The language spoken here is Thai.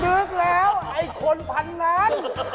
ดึกแล้วไอคนพันนาน